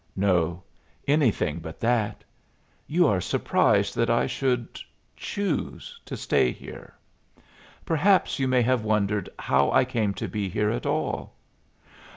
"No. Anything but that. You are surprised that I should choose to stay here. Perhaps you may have wondered how I came to be here at all?"